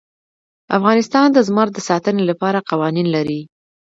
افغانستان د زمرد د ساتنې لپاره قوانین لري.